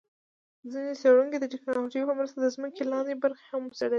ځیني څېړونکو د ټیکنالوجۍ په مرسته د ځمکي لاندي برخه هم وڅېړله